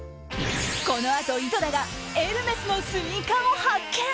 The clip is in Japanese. このあと井戸田がエルメスのスニーカーを発見。